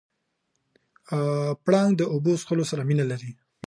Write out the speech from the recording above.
پړانګ د اوبو څښلو سره مینه لري.